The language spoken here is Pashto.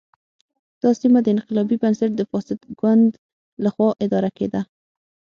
دا سیمه د انقلابي بنسټ د فاسد ګوند له خوا اداره کېده.